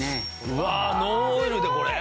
うわあノンオイルでこれ？